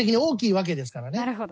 なるほど。